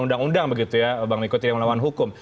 undang undang begitu ya bang miko tidak melawan hukum